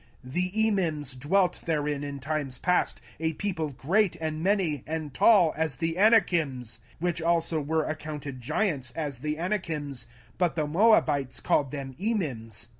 05:002:010 The Emims dwelt therein in times past, a people great, and many, and tall, as the Anakims; 05:002:011 Which also were accounted giants, as the Anakims; but the Moabites called them Emims.